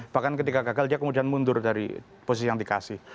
bahkan ketika gagal dia kemudian mundur dari posisi yang dikasih